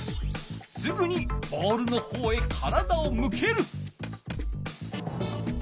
すぐにボールの方へ体をむける。